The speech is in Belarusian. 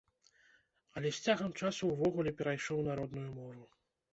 Але з цягам часу ўвогуле перайшоў на родную мову.